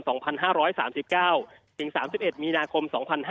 ถึง๓๑มีนาคม๒๕๔๐